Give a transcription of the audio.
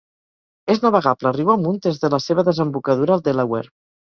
És navegable riu amunt des de la seva desembocadura al Delaware.